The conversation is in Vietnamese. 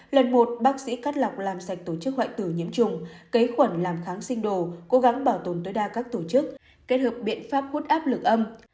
lần một bác sĩ cắt lọc làm sạch tổ chức hoại tử nhiễm trùng cấy khuẩn làm kháng sinh đồ cố gắng bảo tồn tối đa các tổ chức kết hợp biện pháp hút áp lực âm